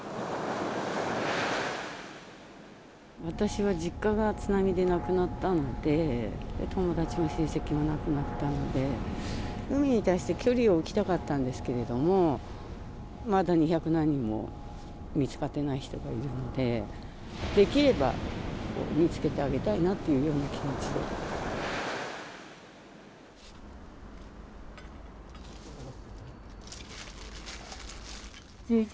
私は実家が津波でなくなったんで、友達も親戚も亡くなったので、海に対して距離を置きたかったんですけれども、まだ二百何人も見つかってない人がいるので、できれば、見つけてあげたいなっていうような気持ちで。